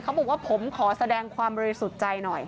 บอกว่าผมขอแสดงความบริสุทธิ์ใจหน่อย